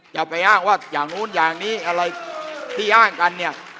อย่าไปอ้างว่าอย่างนู้นอย่างนี้อะไรที่อ้างกันเนี่ย